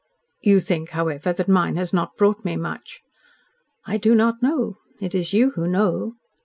"You think, however, that mine has not brought me much?" "I do not know. It is you who know."